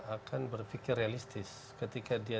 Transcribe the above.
akan berpikir realistis ketika dia